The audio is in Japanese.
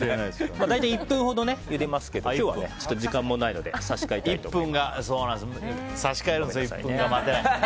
大体１分ほどゆでますけど今日は時間もないので差し替えるんですよ。